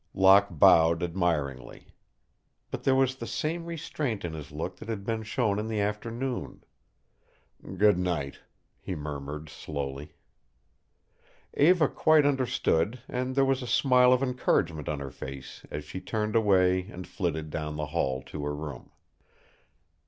Locke bowed admiringly. But there was the same restraint in his look that had been shown in the afternoon. "Good night," he murmured, slowly. Eva quite understood, and there was a smile of encouragement on her face as she turned away and flitted down the hall to her room.